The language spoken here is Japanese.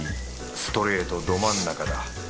ストレートど真ん中だ。